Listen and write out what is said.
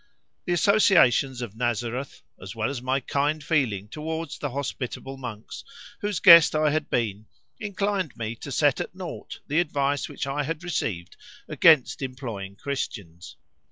The associations of Nazareth, as well as my kind feeling towards the hospitable monks, whose guest I had been, inclined me to set at naught the advice which I had received against employing Christians.